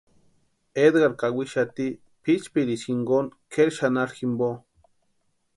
Edgar kawixati pʼichpiricha jinkoni kʼeri xanharhu jimpo.